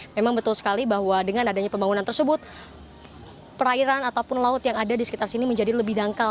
memang betul sekali bahwa dengan adanya pembangunan tersebut perairan ataupun laut yang ada di sekitar sini menjadi lebih dangkal